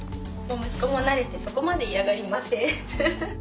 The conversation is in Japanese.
息子も慣れてそこまで嫌がりません。